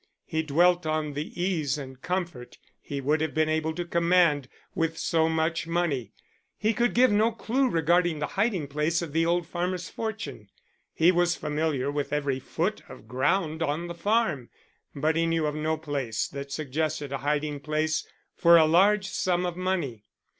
He dwelt on the ease and comfort he would have been able to command with so much money. He could give no clue regarding the hiding place of the old farmer's fortune. He was familiar with every foot of ground on the farm, but he knew of no place that suggested a hiding place for a large sum of money.